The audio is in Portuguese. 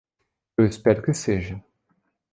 Eu espero que seja.